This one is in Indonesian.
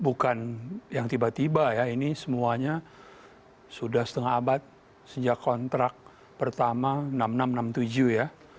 bukan yang tiba tiba ya ini semuanya sudah setengah abad sejak kontrak pertama enam ribu enam ratus enam puluh tujuh ya